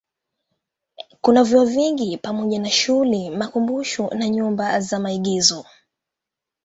Kuna vyuo vingi pamoja na shule, makumbusho na nyumba za maigizo.